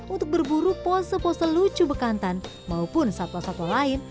untuk berburu pose pose lucu bekantan maupun satwa satwa lain